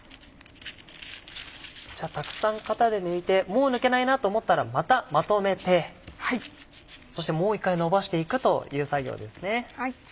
たくさん型で抜いてもう抜けないなと思ったらまたまとめてそしてもう一回のばしていくという作業ですね。